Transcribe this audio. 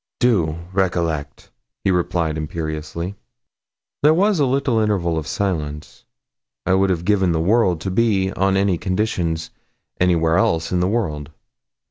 'Do recollect,' he replied imperiously. There was a little interval of silence. I would have given the world to be, on any conditions, anywhere else in the world.